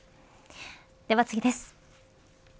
では次です。